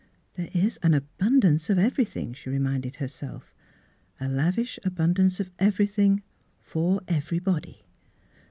" There is an abundance of every thing," she reminded herself, "— a lav ish abundance of everything — for every body